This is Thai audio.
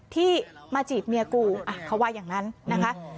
ที่มาจีบเมียกูเขาว่าอย่างนั้นนะคะ